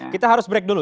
kita harus break dulu